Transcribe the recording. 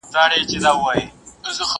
لا رواني دي جوپې د شهيدانو.!